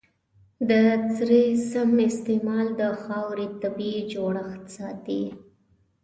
د سرې سم استعمال د خاورې طبیعي جوړښت ساتي.